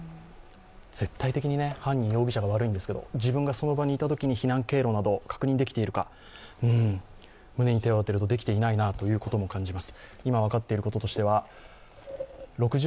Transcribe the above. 絶対的に犯人、容疑者が悪いんですけど、自分がその場にいたときに避難経路などを確認できているか、うん、胸に手を当てるとできていないと感じます。